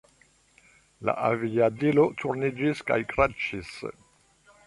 La aviadilo turniĝis kaj kraŝis.